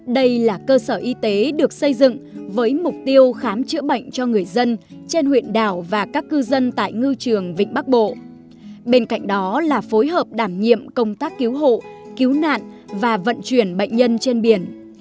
đây là cơ sở y tế được xây dựng với mục tiêu khám chữa bệnh cho người dân trên huyện đảo và các cư dân tại ngư trường vịnh bắc bộ bên cạnh đó là phối hợp đảm nhiệm công tác cứu hộ cứu nạn và vận chuyển bệnh nhân trên biển